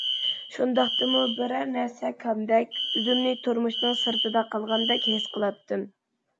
شۇنداقتىمۇ بىرەر نەرسە كەمدەك، ئۆزۈمنى تۇرمۇشنىڭ سىرتىدا قالغاندەك ھېس قىلاتتىم.